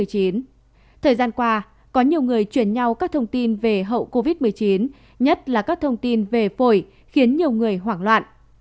thời gian qua có nhiều người chuyển nhau các thông tin về hậu covid một mươi chín nhất là các thông tin về phổi khiến nhiều người hoảng loạn